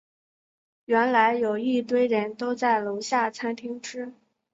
原来有一堆人都在楼下餐厅吃